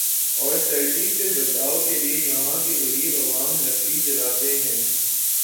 اور سردی سے بچائو کے لئے یہاں کے غریب عوام لکڑی جلاتے ہیں ۔